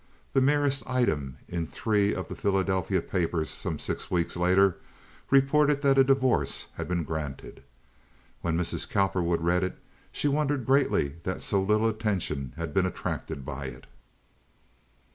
The merest item in three of the Philadelphia papers some six weeks later reported that a divorce had been granted. When Mrs. Cowperwood read it she wondered greatly that so little attention had been attracted by it.